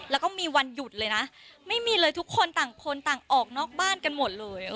แล้วก็มีวันหยุดเลยนะไม่มีเลยทุกคนต่างคนต่างออกนอกบ้านกันหมดเลย